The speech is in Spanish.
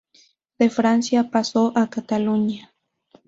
De Francia pasó a Cataluña.